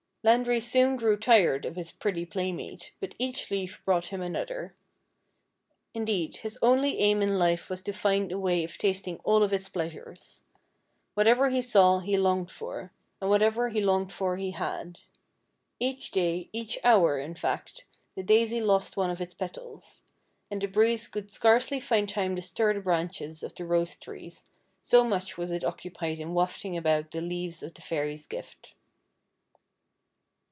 Landry soon grew tired of his pretty playmate, but each leaf brought him another. Indeed, his only aim in life was to find a way of tasting all of its pleasures. Whatever he saw he THE TWO DAISIES ii3 longed for, and whatever he longed for he had. Each day, each hour, in fact, the daisy lost one of its petals; and the breeze could scarcely find time to stir the branches of the rose trees, so much was it occupied in wafting about the leaves of the fairy's gift.